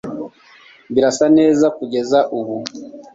Birasa neza kugeza ubu